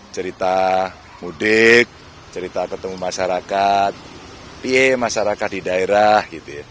cerita mudik cerita ketemu masyarakat di daerah